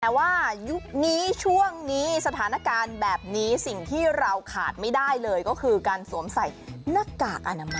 แต่ว่ายุคนี้ช่วงนี้สถานการณ์แบบนี้สิ่งที่เราขาดไม่ได้เลยก็คือการสวมใส่หน้ากากอนามัย